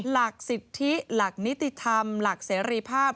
หลักสิทธิหลักนิติธรรมหลักเสรีภาพ